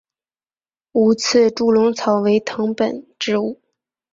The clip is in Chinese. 无刺猪笼草为藤本植物。